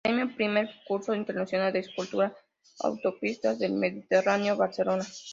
Premio "Primer concurso Internacional de Escultura Autopistas del Mediterráneo", Barcelona.